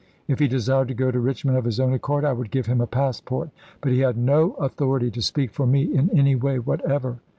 If he desired to go to Eichmond of his own accord, I would give him a passport ; but he had no authority to speak for me in any way whatever.